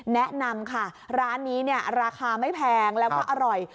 แนะนำค่ะร้านนี้เนี่ยราคาไม่แพงแล้วก็อร่อย